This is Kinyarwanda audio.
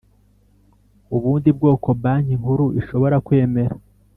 ubundi bwoko Banki Nkuru ishobora kwemera.